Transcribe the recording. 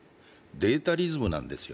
データリズムなんですよ。